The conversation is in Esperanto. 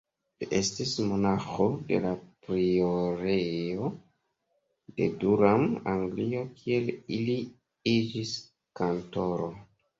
Li estis monaĥo de la priorejo de Durham, Anglio, kie li iĝis kantoro.